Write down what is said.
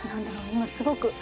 今すごく。